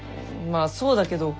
まあそうだけど。